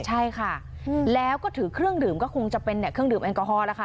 ใช่ค่ะแล้วก็ถือเครื่องดื่มก็คงจะเป็นเครื่องดื่มแอลกอฮอลแล้วค่ะ